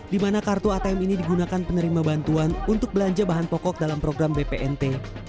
di mana kartu atm ini digunakan penerima bantuan untuk belanja bahan pokok dalam program bpnt